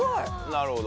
なるほど。